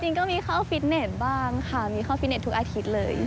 จริงก็มีเข้าฟิตเน็ตบ้างค่ะมีเข้าฟิตเน็ตทุกอาทิตย์เลย